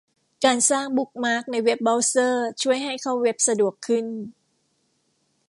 การสร้างบุ๊คมาร์คในเว็บเบราว์เซอร์ช่วยให้เข้าเว็บสะดวกขึ้น